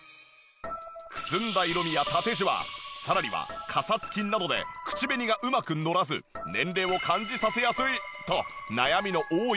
くすんだ色味や縦ジワさらにはかさつきなどで口紅がうまくのらず年齢を感じさせやすいと悩みの多い唇。